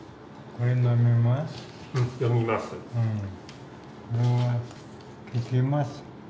これは書きます